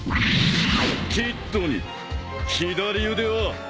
キッドに左腕はない！